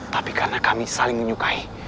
tapi karena kami saling menyukai